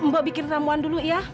mbok bikin ramuan dulu ya